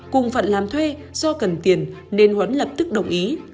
cùng phận làm thuê do cần tiền nên huấn lập tức đồng ý